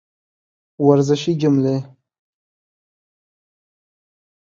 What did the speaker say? ورزشي جملې